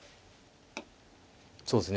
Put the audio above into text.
そうですね。